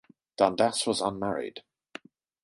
Dundas was unmarried.